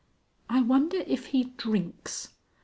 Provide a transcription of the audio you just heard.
'" "I wonder if he drinks....